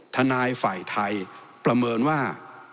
ทนายฝ่ายไทยประเมินว่า